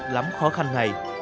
lắm khó khăn này